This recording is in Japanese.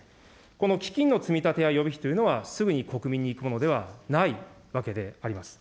この基金の積み立てや予備費というのは、すぐに国民にいくものではないわけであります。